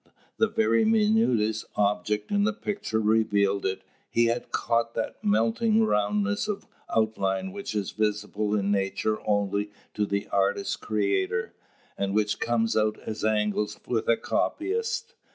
The very minutest object in the picture revealed it; he had caught that melting roundness of outline which is visible in nature only to the artist creator, and which comes out as angles with a copyist.